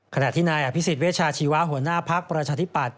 ขณะที่นายอภิษฎเวชาชีวะหัวหน้าภักดิ์ประชาธิปัตย